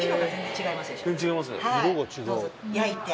違いますね